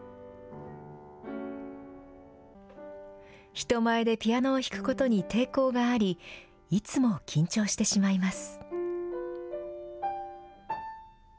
人前でピアノを弾くことに抵抗があり、いつも緊張してしまいます。